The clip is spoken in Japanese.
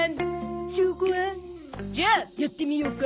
証拠は？じゃあやってみようか？